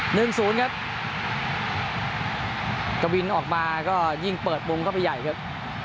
หนึ่งศูนย์ครับกวินออกมาก็ยิ่งเปิดมุมเข้าไปใหญ่ครับ